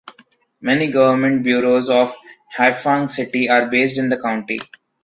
Many government bureaus of Haifang City are based in that county.